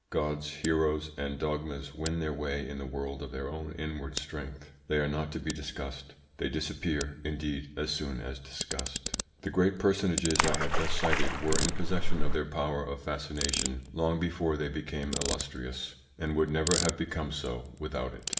Gods, heroes, and dogmas win their way in the world of their own inward strength. They are not to be discussed: they disappear, indeed, as soon as discussed. The great personages I have just cited were in possession of their power of fascination long before they became illustrious, and would never have become so without it.